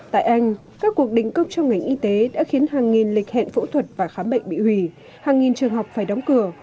tại anh các cuộc định cư trong ngành y tế đã khiến hàng nghìn lịch hẹn phẫu thuật và khám bệnh bị hủy hàng nghìn trường học phải đóng cửa